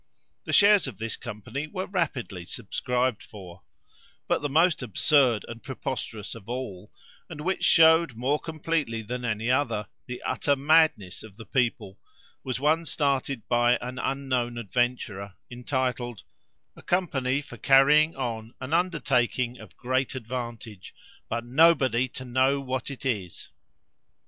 The shares of this company were rapidly subscribed for. But the most absurd and preposterous of all, and which shewed, more completely than any other, the utter madness of the people, was one started by an unknown adventurer, entitled "A company for carrying on an undertaking of great advantage, but nobody to know what it is."